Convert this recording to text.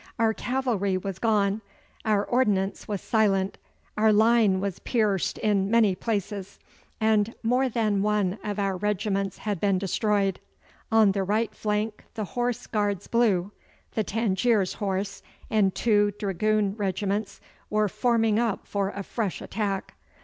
Our cavalry was gone, our ordnance was silent, our line was pierced in many places, and more than one of our regiments had been destroyed. On the right flank the Horse Guards Blue, the Tangiers Horse, and two dragoon regiments were forming up for a fresh attack.